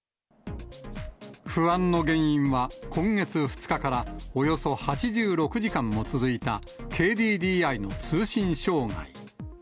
不安の原因は、今月２日から、およそ８６時間も続いた、ＫＤＤＩの通信障害。